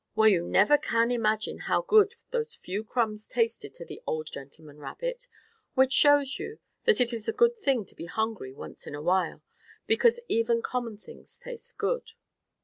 Well, you never can imagine how good those few crumbs tasted to the old gentleman rabbit, which shows you that it is a good thing to be hungry once in a while, because even common things taste good.